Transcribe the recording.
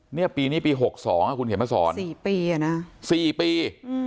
เนี่ยปีนี้ปี๖๒คุณเขียนมาสอน๔ปีอ่ะนะ๔ปี